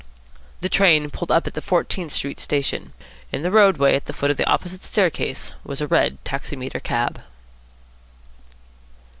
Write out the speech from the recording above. The train pulled up at the Fourteenth Street station. In the roadway at the foot of the opposite staircase was a red taximeter cab.